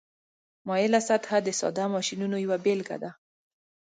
مایله سطحه د ساده ماشینونو یوه بیلګه ده.